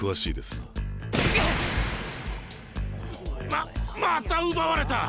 ままた奪われた。